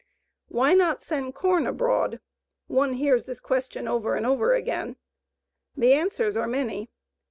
"Why not send corn abroad?" One hears the question over and over again. The answers are many.